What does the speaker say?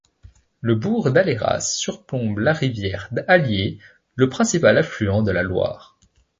Le bourg d'Alleyras surplombe la rivière Allier, le principal affluent de la Loire.